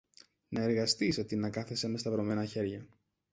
Να εργαστείς αντί να κάθεσαι με σταυρωμένα χέρια!